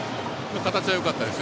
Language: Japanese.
形がよかったです